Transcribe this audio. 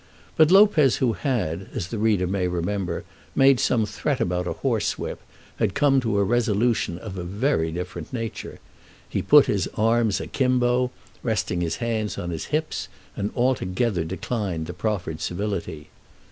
But Lopez who had, as the reader may remember, made some threat about a horsewhip, had come to a resolution of a very different nature. He put his arms a kimbo, resting his hands on his hips, and altogether declined the proffered civility.